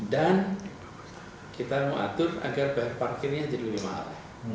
dan kita mengatur agar parkirnya jadi lebih mahal